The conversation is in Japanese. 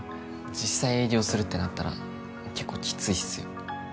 実際営業するってなったらけっこうきついっすよ。